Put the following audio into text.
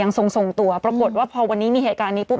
ยังส่งส่งตัวปรากฏว่าพอวันนี้มีแห่งการนี้ปุ๊บ